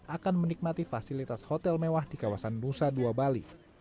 akan menikmati fasilitas hotel mewah di kawasan nusa dua bali